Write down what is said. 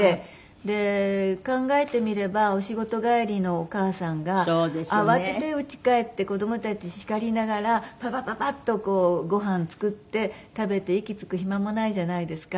で考えてみればお仕事帰りのお母さんが慌てて家帰って子供たち叱りながらパパパパッとご飯作って食べて息つく暇もないじゃないですか。